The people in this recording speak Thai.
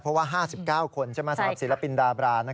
เพราะว่า๕๙คนใช่ไหมสำหรับศิลปินดาบรา